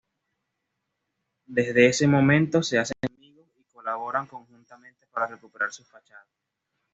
Desde ese momento se hacen amigos y colaboran conjuntamente para recuperar sus fachadas.